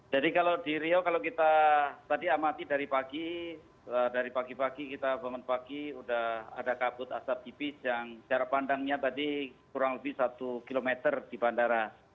jadi kalau di riau kalau kita tadi amati dari pagi dari pagi pagi kita bangun pagi sudah ada kabut asap tipis yang secara pandangnya tadi kurang lebih satu km di bandara